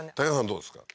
どうですか？